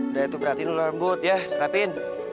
udah itu perhatiin lu rambut ya rapiin